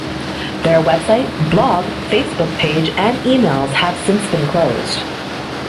Their website, blog, Facebook page, and emails have since been closed.